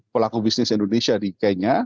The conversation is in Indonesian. pelaku bisnis indonesia di kenya